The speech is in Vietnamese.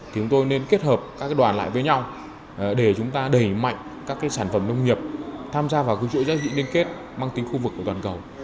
thì chúng tôi nên kết hợp các đoàn lại với nhau để chúng ta đẩy mạnh các sản phẩm nông nghiệp tham gia vào chuỗi giá trị liên kết mang tính khu vực của toàn cầu